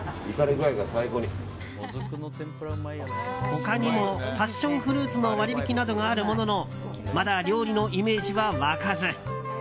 他にも、パッションフルーツの割引などがあるもののまだ料理のイメージは湧かず。